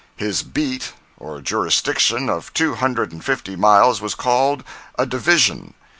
His beat or jurisdiction of two hundred and fifty miles was called a "division."